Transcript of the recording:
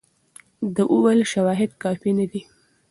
ده وویل شواهد کافي نه دي.